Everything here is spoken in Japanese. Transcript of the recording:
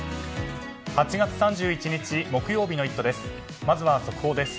８月３１日、木曜日の「イット！」です。